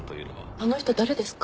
あの人誰ですか？